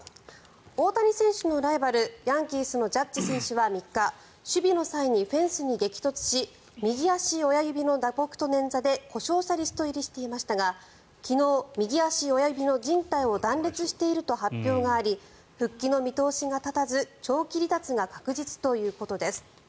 大谷選手のライバルヤンキースのジャッジ選手は３日守備の際にフェンスに激突し右足親指の打撲と捻挫で故障者リスト入りしていましたが昨日、右足親指のじん帯を断裂していると発表があり復帰の見通しが立たず長期離脱が確実ということです。